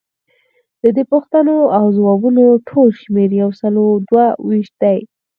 ددې پوښتنو او ځوابونو ټول شمیر یوسلو دوه ویشت دی.